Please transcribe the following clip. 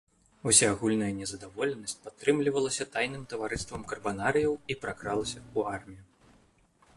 Усеагульная незадаволенасць падтрымлівалася тайным таварыствам карбанарыяў і пракралася ў армію.